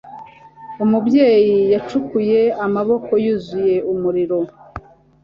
Umubyeyi yacukuye, amaboko yuzuye umuriro.